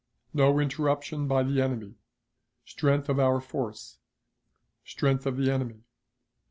No Interruption by the Enemy. Strength of our Force. Strength of the Enemy.